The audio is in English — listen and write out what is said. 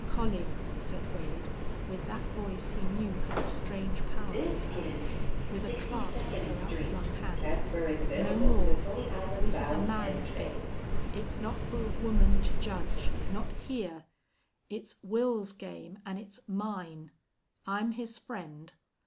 "Collie," said Wade, with that voice he knew had strange power over her, with a clasp of her outflung hand, "no more! This is a man's game. It's not for a woman to judge. Not here! It's Wils's game an' it's mine. I'm his friend.